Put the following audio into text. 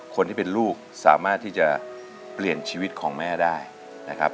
คนที่เป็นลูกสามารถที่จะเปลี่ยนชีวิตของแม่ได้นะครับ